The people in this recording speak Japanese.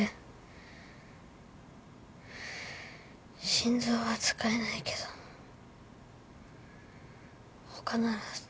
心臓は使えないけど他なら使えるかも。